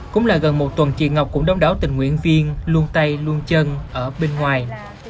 cũng là gần một tuần chị ngọc cũng đông đảo tình nguyện viên luôn tay luôn chân ở bên ngoài